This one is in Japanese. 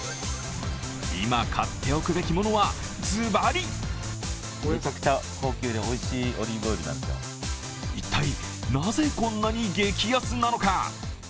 今、買っておくべきものは、ズバリ一体、なぜこんなに激安なのか？